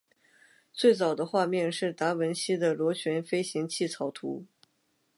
最早的画面是达文西的螺旋飞行器草图。